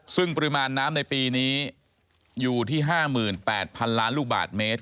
ซึ่งปริมาณน้ำในปีนี้อยู่ที่๕๘๐๐๐ล้านลูกบาทเมตร